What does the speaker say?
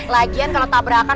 lagian kalau tabrakan